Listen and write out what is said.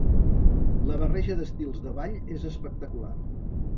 La barreja d'estils de ball és espectacular.